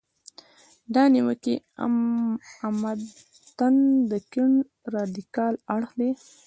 دا نیوکې عمدتاً د کیڼ رادیکال اړخ دي.